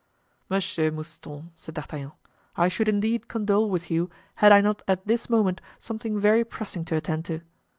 "Monsieur Mouston," said D'Artagnan, "I should indeed condole with you had I not at this moment something very pressing to attend to."